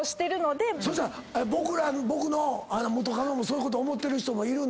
僕の元カノもそういうこと思ってる人もいるんだ。